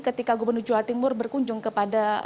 ketika gubernur jawa timur berkunjung kepada